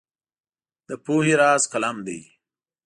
د پوهې راز قلم دی.